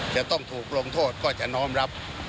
จะต้องถูกลงโทษก็จะน้อมรับ